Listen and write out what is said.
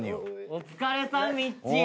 お疲れさんみっちー。